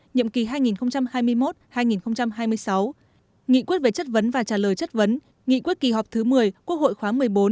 nhiệm kỳ hai nghìn hai mươi một hai nghìn hai mươi sáu nghị quyết về chất vấn và trả lời chất vấn nghị quyết kỳ họp thứ một mươi quốc hội khóa một mươi bốn